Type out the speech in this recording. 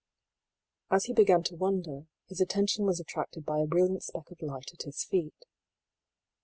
As he began to wonder, his attention was attracted MIZPAH. 2Y5 by a brilliant speck of light at his feet.